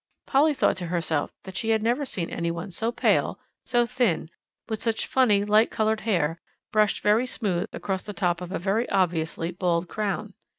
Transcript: Polly thought to herself that she had never seen any one so pale, so thin, with such funny light coloured hair, brushed very smoothly across the top of a very obviously bald crown.